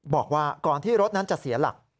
บอกว่าก่อนที่รถนั้นจะเสียหลัก